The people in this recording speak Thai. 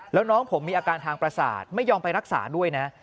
แล้วน้องผมมีอาการทางประสาทไม่ยอมไปรักษาด้วยนะ